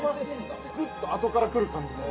グッと後から来る感じの。